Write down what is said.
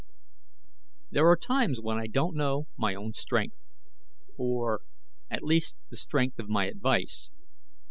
] There are times when I don't know my own strength. Or, at least, the strength of my advice.